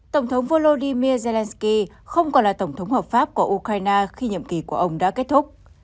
tổng thống volodymyr zelensky không còn là tổng thống hợp pháp của ukraine khi nhiệm kỳ của ông đã kết thúc